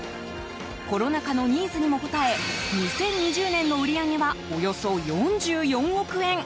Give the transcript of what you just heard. コロナ禍のニーズにも応え２０２０年の売り上げはおよそ４４億円。